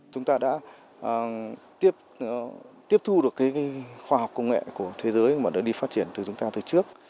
chúng ta đã tiếp thu được khoa học công nghệ của thế giới mà đã đi phát triển từ chúng ta từ trước